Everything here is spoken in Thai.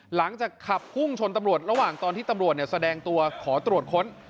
หลังจากขับพุ่งชนตำรวจระหว่างตอนที่ตำรวจแสดงตัวขอตรวจค้น